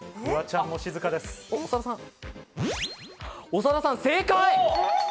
長田さん、正解！